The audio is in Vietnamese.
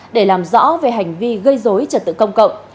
để làm rõ về hành vi gây dối trật tự công cộng